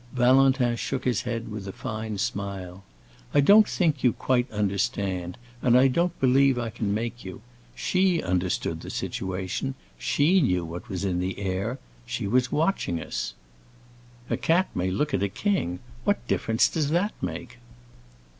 Valentin shook his head with a fine smile. "I don't think you quite understand, and I don't believe I can make you. She understood the situation; she knew what was in the air; she was watching us." "A cat may look at a king! What difference does that make?"